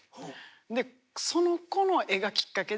でその子の絵がきっかけで。